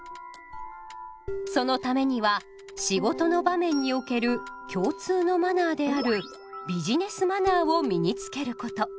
そのためには仕事の場面における共通のマナーであるビジネスマナーを身につけること。